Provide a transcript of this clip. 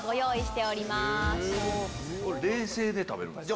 冷製で食べるんですか？